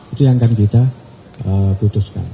itu yang akan kita putuskan